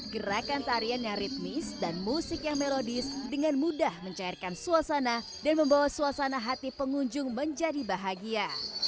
gerakan tarian yang ritmis dan musik yang merodis dengan mudah mencairkan suasana dan membawa suasana hati pengunjung menjadi bahagia